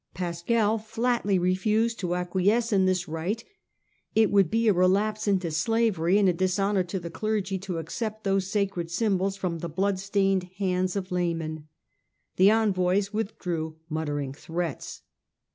Pascal flatly refused to acquiesce in this right ; it would be a relapse into slavery and a dishonour to the clergy to accept those sacred symbols from the bloodstained hands of laymen. The envoys withdrew muttering threats.